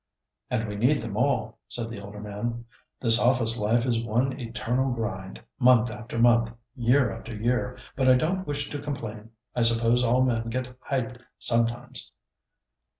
"And we need them all," said the elder man. "This office life is one eternal grind, month after month, year after year. But I don't wish to complain. I suppose all men get 'hypped' sometimes."